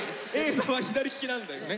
朝は左利きなんだよね。